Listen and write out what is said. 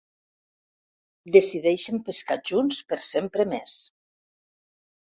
Decideixen pescar junts per sempre més.